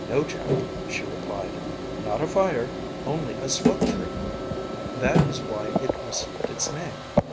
"No, Jack," she replied, "not a fire, only a smoke tree. That is why it received its name.